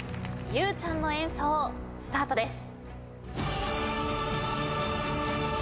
ゆうちゃんの演奏スタートです。